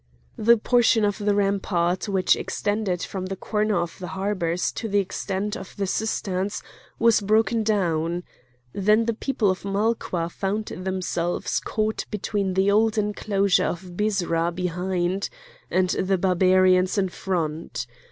The portion of the rampart which extended from the corner of the harbours to the height of the cisterns was broken down. Then the people of Malqua found themselves caught between the old enclosure of Byrsa behind, and the Barbarians in front.